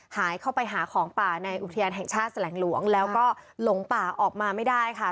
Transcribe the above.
หายเข้าไปหาของป่าในอุทยานแห่งชาติแสลงหลวงแล้วก็หลงป่าออกมาไม่ได้ค่ะ